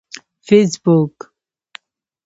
فیسبوک